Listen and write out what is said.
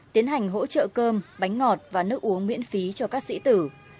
tiến hành hỗ trợ cơm bánh ngọt và nước uống miễn phí cho các sĩ tử